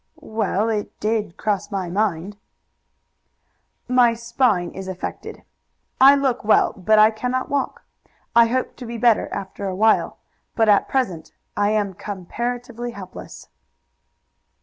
"Well, it did cross my mind." "My spine is affected. I look well, but I cannot walk. I hope to be better after a while, but at present I am comparatively helpless."